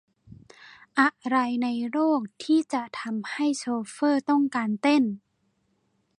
อะไรในโลกที่จะทำให้โชเฟอร์ต้องการเต้น ?